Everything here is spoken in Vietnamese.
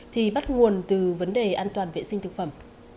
thì bắt nguồn từ vấn đề an toàn vệ sinh thực phẩm